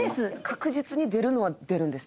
確実に出るのは出るんです。